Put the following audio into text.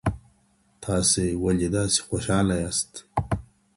تاسي ولي داسي خوشحاله یاست؟